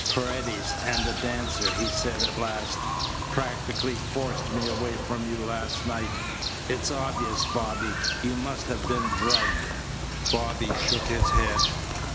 "Paredes and the dancer," he said at last, "practically forced me away from you last night. It's obvious, Bobby, you must have been drugged." Bobby shook his head.